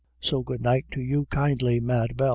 So good night to you kindly, Mad BeH.